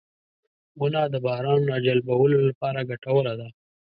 • ونه د باران راجلبولو لپاره ګټوره ده.